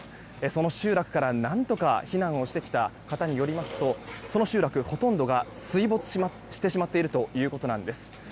その集落から何とか避難をしてきた方によるとその集落、ほとんどが水没してしまっているということです。